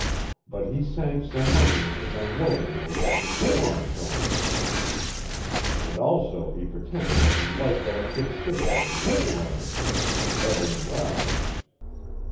But he sank some money into them woolen mills that Mr. Lawrence owns. And also he pretended that he liked that kid sister of Mrs. Lawrence's Evelyn Rogers.